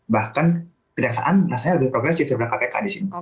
bahkan kejaksaan rasanya lebih progresif daripada kpk disini